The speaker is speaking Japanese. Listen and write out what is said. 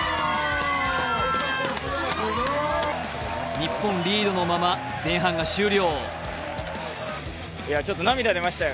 日本リードのまま前半が終了。